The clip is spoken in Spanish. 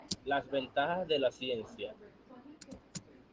Las ventajas de la ciencia